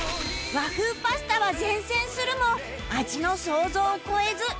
和風パスタは善戦するも味の想像を超えず